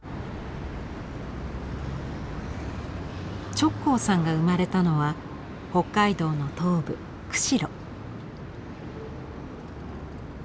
直行さんが生まれたのは北海道の東部釧路。